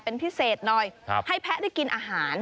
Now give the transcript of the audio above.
เป็นพิเศษหน่อยให้แพะได้กินอาหาร